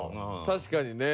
確かにね。